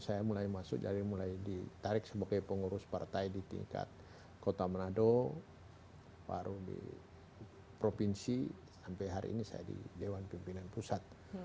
saya mulai masuk dari mulai ditarik sebagai pengurus partai di tingkat kota manado baru di provinsi sampai hari ini saya di dewan pimpinan pusat